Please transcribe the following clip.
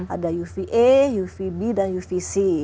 ada uva uvb dan uvc